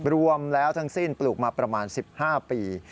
รวมแล้วทั้งสิ้นปลูกมาประมาณ๑๕ปี